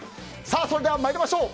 それでは参りましょう。